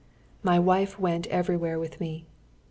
] My wife went everywhere with me.